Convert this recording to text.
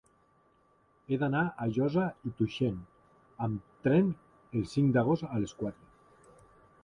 He d'anar a Josa i Tuixén amb tren el cinc d'agost a les quatre.